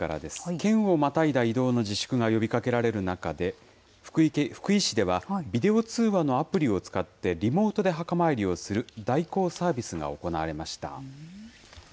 県をまたいだ移動の自粛が呼びかけられる中で、福井市ではビデオ通話のアプリを使ってリモートで墓参りをする代行サービスが行われました。